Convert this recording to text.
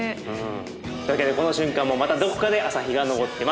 というわけでこの瞬間もまたどこかで朝日が昇っています。